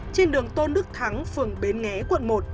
trên đường tôn đức thắng phường bến nghé quận một